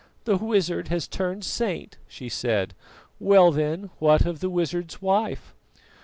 "The wizard has turned saint," she said. "Well, then, what of the wizard's wife?"